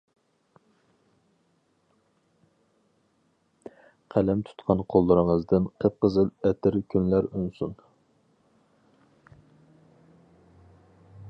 قەلەم تۇتقان قوللىرىڭىزدىن قىپقىزىل ئەتىر گۈللەر ئۈنسۇن!